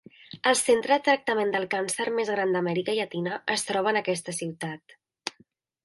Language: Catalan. El centre de tractament del càncer més gran d'Amèrica Llatina es troba en aquesta ciutat.